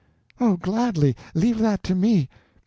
"Oh, gladly. Leave that to me."